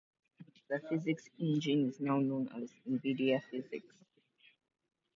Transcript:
The PhysX engine is now known as Nvidia PhysX.